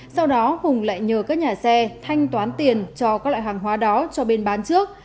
sau đó hùng lại nhờ các nhà xe thanh toán tiền cho các loại hàng hóa đó cho bên bán trước